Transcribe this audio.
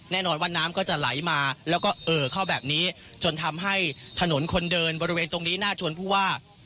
แน่นอนว่าน้ำก็จะไหลมาแล้วก็เอ่อเข้าแบบนี้จนทำให้ถนนคนเดินบริเวณตรงนี้น่าชวนผู้ว่า